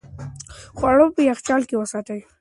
خواړه په یخچال کې وساتئ.